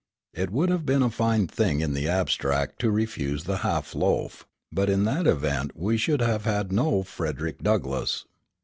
It would have been a fine thing in the abstract to refuse the half loaf, but in that event we should have had no Frederick Douglass.